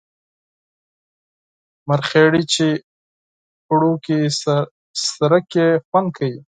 مرخیړي چی غوړو کی سره کړی خوند کوي